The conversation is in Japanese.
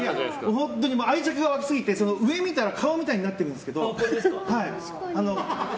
愛着が湧きすぎて上見たら顔みたいになってるんですけど。